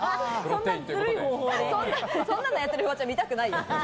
そんなのやってるフワちゃん見たくないよ。